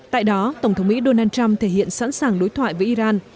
tại đó tổng thống mỹ donald trump thể hiện sẵn sàng đối thoại với iran